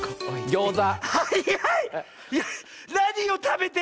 ギョーザ！